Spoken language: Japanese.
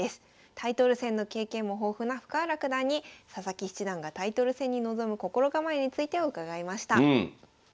タイトル戦の経験も豊富な深浦九段に佐々木七段がタイトル戦に臨む心構えについて伺いました。